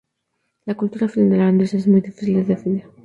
La cultura finlandesa es muy difícil de definir.